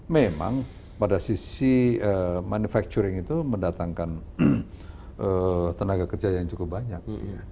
memang pada sisi manufacturing itu mendatangkan tenaga kerja yang cukup banyak